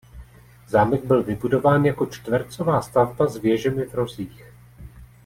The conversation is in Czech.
Zámek byl vybudován jako čtvercová stavba s věžemi v rozích.